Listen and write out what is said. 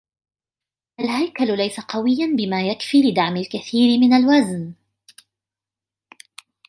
الهيكل ليس قوياً بما يكفي لدعم الكثير من الوزن.